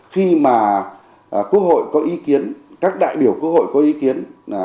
khi mà quốc hội có ý kiến các đại biểu quốc hội có ý kiến